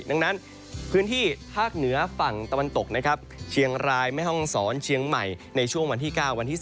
ดังนั้นพื้นที่ภาคเหนือฝั่งตะวันตกนะครับเชียงรายแม่ห้องศรเชียงใหม่ในช่วงวันที่๙วันที่๒